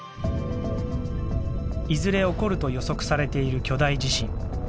いずれ起こると予測されている巨大地震。